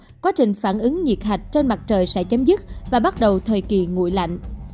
năm hai hai trăm linh một quá trình phản ứng nhiệt hạch trên mặt trời sẽ chấm dứt và bắt đầu thời kỳ nguội lạnh